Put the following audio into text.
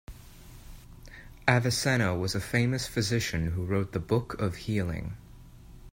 Avicenna was a famous physician who wrote the Book of Healing.